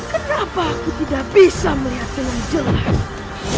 kenapa aku tidak bisa melihat dengan jelas